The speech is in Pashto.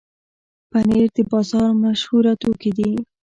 پنېر د بازار مشهوره توکي دي.